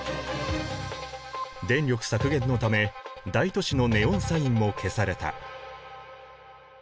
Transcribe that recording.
電力削減のため大都市のネオンサインも消された。